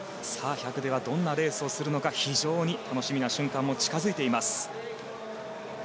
１００ではどんなレースをするのか非常に楽しみな瞬間も近づいています。